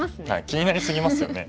気になり過ぎますよね。